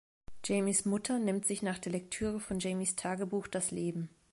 Jamies Mutter nimmt sich nach der Lektüre von Jamies Tagebuch das Leben.